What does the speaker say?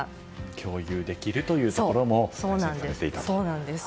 共有できるというところも大切にされていると。